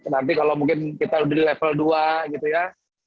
nanti kalau mungkin kita lebih level dua gitu ya